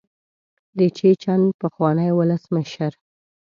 د چیچن پخواني ولسمشر.